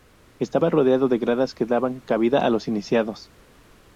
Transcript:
Estaba rodeado de gradas que daban cabida a los iniciados.